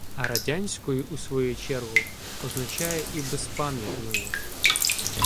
А «радянською», у свою чергу, означає і «безпам’ятною».